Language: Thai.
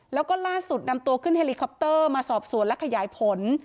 แล้วก็ล่าสุดนำตัวขึ้นเฮลิคอปเตอร์มาสอบสวนและขยายผล